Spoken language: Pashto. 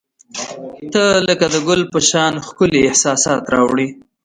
• ته لکه د ګل په شان ښکلي احساسات راوړي.